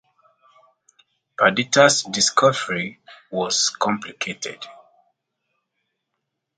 Perdita's discovery was complicated.